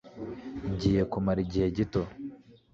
Ngiye kumara igihe gito.